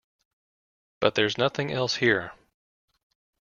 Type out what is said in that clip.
But there's nothing else here.